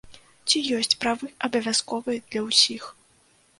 Ці ёсць правы абавязковыя для ўсіх?